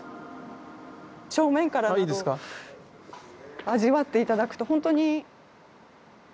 正面から味わって頂くとほんとに。